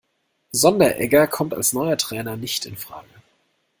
Sonderegger kommt als neuer Trainer nicht infrage.